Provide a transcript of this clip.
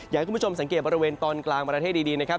อยากให้คุณผู้ชมสังเกตบริเวณตอนกลางประเทศดีนะครับ